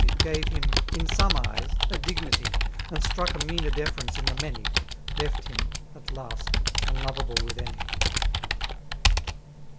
It gave him in some eyes a dignity. I 4» And struck a meaner deference in the many^ Left him, at last^ imknreablef with any.